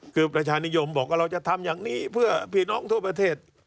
คือประชานิยมบอกว่าเราจะทำอย่างนี้เพื่อพี่น้องทั่วประเทศ